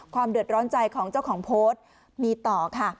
เดือดร้อนใจของเจ้าของโพสต์มีต่อค่ะ